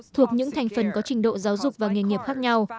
thuộc những thành phần có trình độ giáo dục và nghề nghiệp khác nhau